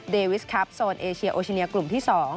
วิสครับโซนเอเชียโอชิเนียกลุ่มที่๒